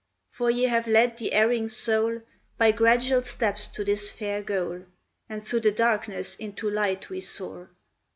For ye have led the erring soul By gradual steps to this fair goal, And through the darkness into light we soar.